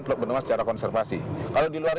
teluk benua secara konservasi kalau di luar